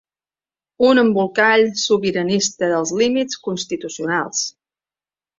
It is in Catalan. Un embolcall sobiranista dels límits constitucionals